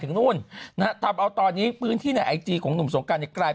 ถึงนู่นนะตามเอาตอนนี้พื้นที่ในไอจีของหนุ่มสงกันจะกลาย